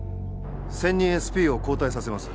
専任ＳＰを交代させます。